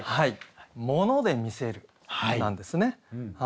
「モノで見せる」なんですね。